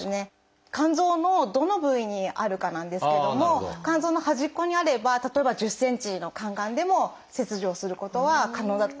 肝臓のどの部位にあるかなんですけども肝臓の端っこにあれば例えば１０ｃｍの肝がんでも切除することは可能だと。